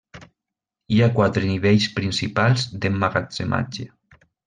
Hi ha quatre nivells principals d'emmagatzematge.